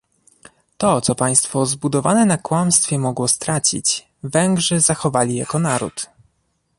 To, co państwo zbudowane na kłamstwie mogło stracić, Węgrzy zachowali jako naród